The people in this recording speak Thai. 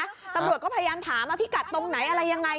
ตำรวจก็พยายามถามว่าพี่กัดตรงไหนอะไรยังไง